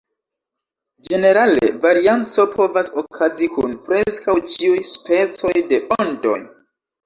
Ĝenerale varianco povas okazi kun preskaŭ ĉiuj specoj de ondoj.